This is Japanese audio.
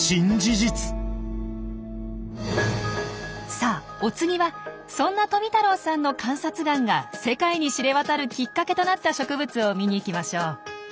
さあお次はそんな富太郎さんの観察眼が世界に知れ渡るきっかけとなった植物を見に行きましょう。